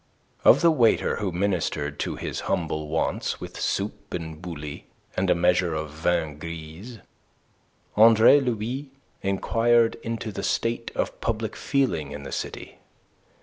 Of the waiter who ministered to his humble wants with soup and bouilli, and a measure of vin gris, Andre Louis enquired into the state of public feeling in the city.